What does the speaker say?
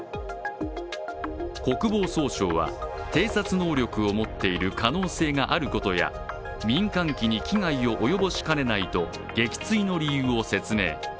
国防総省は、偵察能力を持っている可能性があることや民間機に危害を及ぼしかねないと撃墜の理由を説明。